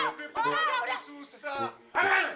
ini milik gue tau gak